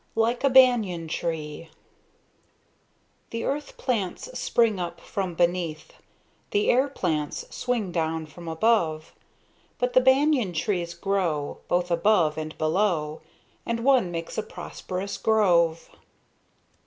LIKE A BANYAN TREE The Earth Plants spring up from beneath, The Air Plants swing down from above, But the Banyan trees grow Both above and below, And one makes a prosperous grove.